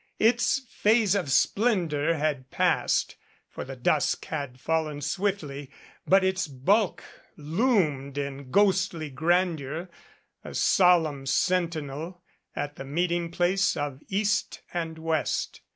Its phase of splen dor had passed, for the dusk had fallen swiftly, but its bulk loomed in ghostly grandeur, a solemn sentinel at the meeting place of East and West.